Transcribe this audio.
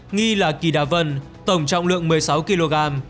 nghi là kỳ đa vân tổng trọng lượng một mươi sáu kg